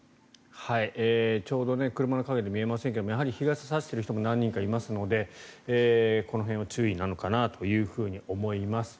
ちょうど車の陰で見えませんがやはり日傘を差している人も何人かいますのでこの辺は注意なのかなと思います。